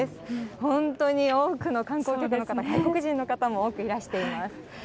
本当に多くの観光客の方、外国人の方も多くいらしています。